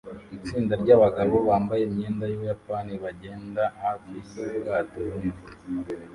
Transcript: Itsinda ryabagabo bambaye imyenda yubuyapani bagenda hafi yubwato bunini